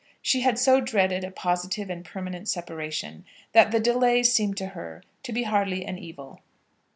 She had so dreaded a positive and permanent separation, that the delay seemed to her to be hardly an evil.